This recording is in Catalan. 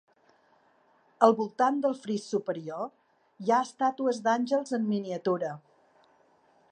Al voltant del fris superior hi ha estàtues d'àngels en miniatura.